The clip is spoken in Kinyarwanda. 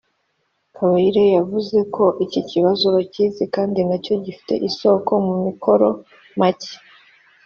Kabayire yavuze ko iki kibazo bakizi kandi na cyo gifite isoko ku mikoro make